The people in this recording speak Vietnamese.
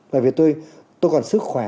bởi vì tôi còn sức khỏe